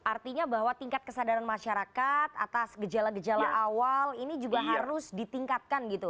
artinya bahwa tingkat kesadaran masyarakat atas gejala gejala awal ini juga harus ditingkatkan gitu